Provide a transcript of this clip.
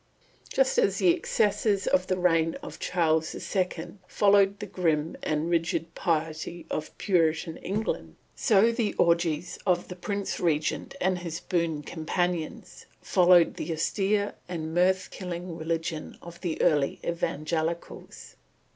Just as the excesses of the reign of Charles II. followed the grim and rigid piety of Puritan England, so the orgies of the Prince Regent and his boon companions followed the austere and mirth killing religion of the early evangelicals.